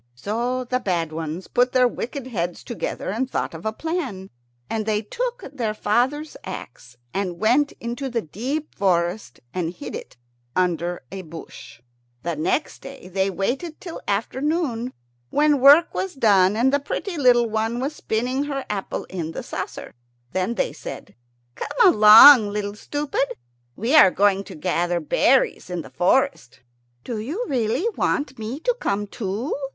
So the bad ones put their wicked heads together and thought of a plan. And they took their father's axe, and went into the deep forest and hid it under a bush. The next day they waited till afternoon, when work was done, and the little pretty one was spinning her apple in the saucer. Then they said, "Come along, Little Stupid; we are all going to gather berries in the forest." "Do you really want me to come too?"